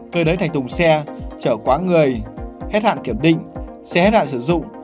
cơ đới thành tùng xe chở quá người hết hạn kiểm định xe hết hạn sử dụng